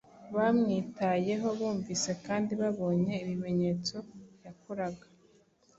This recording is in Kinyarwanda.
bamwitayeho, bumvise kandi babonye ibimenyetso yakoraga.